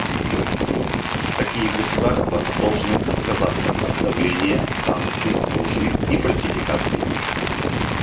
Такие государства должны отказаться от давления, санкций, лжи и фальсификаций.